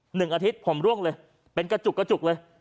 หนึ่งอาทิตย์ผมร่วงเลยเป็นกระจุกกระจุกเลย